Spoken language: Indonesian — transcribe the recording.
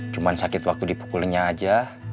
cuman sakit waktu dipukulinya aja